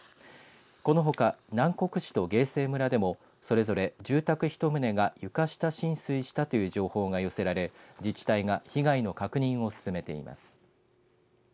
このほか、南国市と芸西村でもそれぞれ、住宅１棟が床下浸水したという情報が寄せられ自治体が被害の確認を進めています。